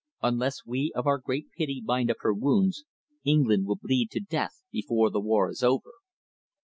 Unless we of our great pity bind up her wounds, England will bleed to death before the war is over."